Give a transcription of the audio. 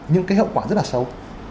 những cái hậu quả rất là xấu